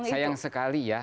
sayang sekali ya